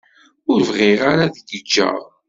Ur bɣiɣ ara ad k-ǧǧeɣ.